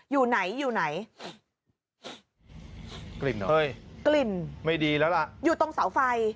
อยู่ไหนอยู่ไหนกลิ่นเหรอเฮ้ยกลิ่นไม่ดีแล้วล่ะอยู่ตรงเสาไฟ